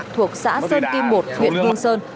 thuộc xã sơn kim một huyện hương sơn